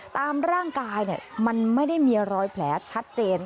ตามร่างกายมันไม่ได้มีรอยแผลชัดเจน